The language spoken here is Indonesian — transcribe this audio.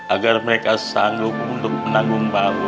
agar mereka sanggup untuk menanggung bau